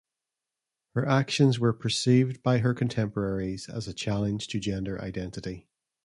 Her actions were perceived by her contemporaries as a challenge to gender-identity.